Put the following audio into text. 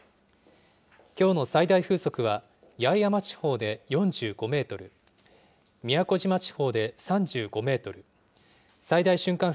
きょうの最大風速は、八重山地方で４５メートル、宮古島地方で３５メートル、最大瞬間